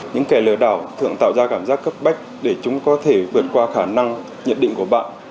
những kẻ lừa đảo thường tạo ra cảm giác cấp bách để chúng có thể vượt qua khả năng nhận định của bạn